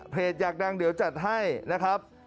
อยากดังเดี๋ยวจัดให้นะครับ